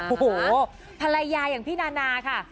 โอ้โหภรรยาอย่างพี่นานาค่ะ